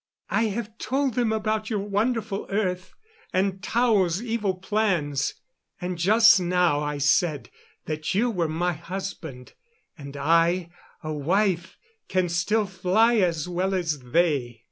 "I have told them about your wonderful earth, and Tao's evil plans; and just now I said that you were my husband and I, a wife, can still fly as well as they.